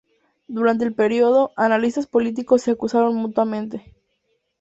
Durante el periodo, analistas políticos se acusaron mutuamente.